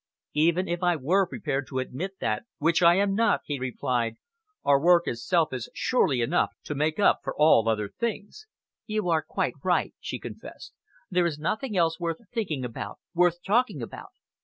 "Even if I were prepared to admit that, which I am not," he replied, "our work itself is surely enough to make up for all other things." "You are quite right," she confessed. "There is nothing else worth thinking about, worth talking about.